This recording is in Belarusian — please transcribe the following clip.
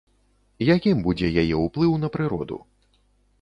Якім будзе яе ўплыў на прыроду?